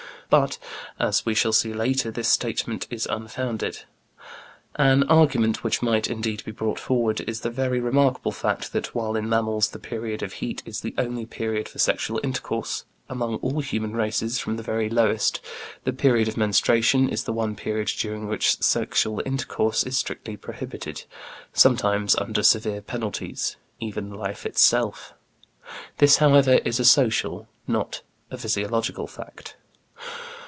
But, as we shall see later, this statement is unfounded. An argument which might, indeed, be brought forward is the very remarkable fact that, while in animals the period of heat is the only period for sexual intercourse, among all human races, from the very lowest, the period of menstruation is the one period during which sexual intercourse is strictly prohibited, sometimes under severe penalties, even life itself. This, however, is a social, not a physiological, fact.